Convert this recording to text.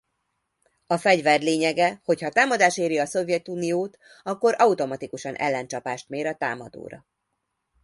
A fegyver lényege hogyha támadás éri a Szovjetuniót akkor automatikusan ellencsapást mér a támadóra.